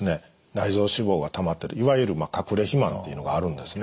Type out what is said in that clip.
内臓脂肪がたまってるいわゆる隠れ肥満っていうのがあるんですね。